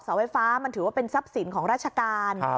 ไฟฟ้ามันถือว่าเป็นทรัพย์สินของราชการ